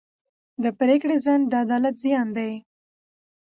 د پرېکړې ځنډ د عدالت زیان دی.